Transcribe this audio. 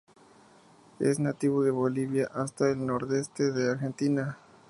Es nativo de Bolivia hasta el nordeste de Argentina.